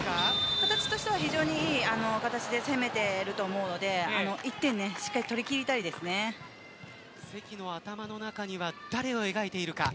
形としては非常にいい形で攻めていると思うので１点、しっかり関の頭の中には誰を描いているか。